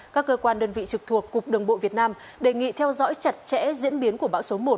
các cơ quan đơn vị trực thuộc cục đường bộ việt nam đề nghị theo dõi chặt chẽ diễn biến của bão số một